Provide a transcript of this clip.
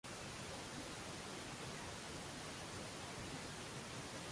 In the forest, the animals and insects are playing and dancing.